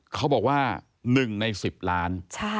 เขาบอกว่า๑ใน๑๐ล้าน